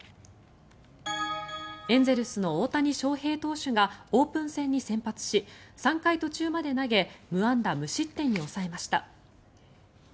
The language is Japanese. エンゼルスの大谷翔平投手がオープン戦に先発し３回途中まで投げ無安打無失点に抑えました。